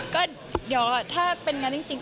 ก็เดี๋ยวถ้าเป็นงั้นจริง